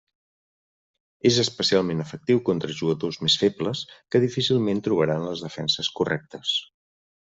És especialment efectiu contra jugadors més febles, que difícilment trobaran les defenses correctes.